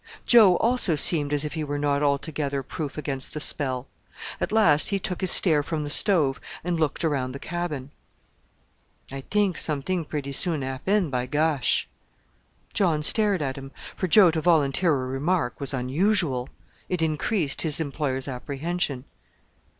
Joe also seemed as if he were not altogether proof against the spell; at last, he took his stare from the stove and looked around the cabin. "I t'ink something pretty soon happen, by gosh!" John stared at him; for Joe to volunteer a remark was unusual: it increased his employer's apprehension.